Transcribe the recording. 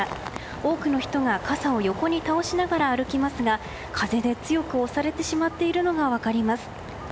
多くの人が傘を横に倒しながら歩きますが風で強く押されてしまっているのが分かります。